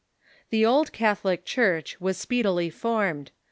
The Old Catholic Church was speedily formed.